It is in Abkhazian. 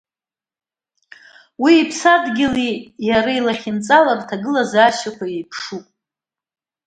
Уи иԥсадгьыли иареи лахьынҵала рҭагылазаашьақәагьы еиԥшуп.